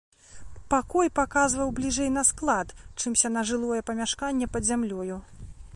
Пакой паказваў бліжэй на склад, чымся на жылое памяшканне пад зямлёю.